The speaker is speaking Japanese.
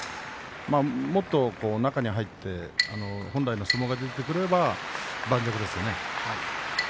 もっと中に入って本来の相撲が出てくれば盤石ですね。